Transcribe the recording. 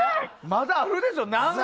まだあるでしょう。